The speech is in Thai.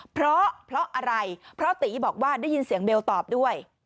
เพราะเพราะอะไรเพราะตีบอกว่าได้ยินเสียงเบลตอบด้วย